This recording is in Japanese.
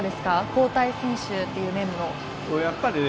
交代選手という面で。